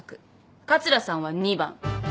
桂さんは２番。